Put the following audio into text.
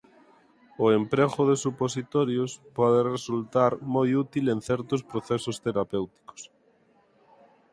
O emprego de supositorios pode resultar moi útil en certos procesos terapéuticos.